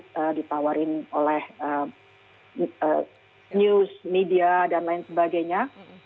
terus ditawarin oleh news media dan lain sebagainya